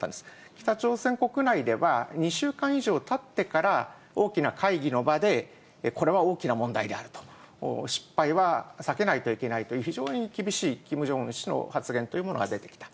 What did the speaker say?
北朝鮮国内では、２週間以上たってから、大きな会議の場でこれは大きな問題であると、失敗は避けないといけないという、非常に厳しい、キム・ジョンウン氏の発言というものが出てきた。